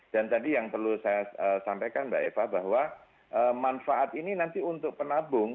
dan tadi yang perlu saya sampaikan mbak eva bahwa manfaat ini nanti untuk penabung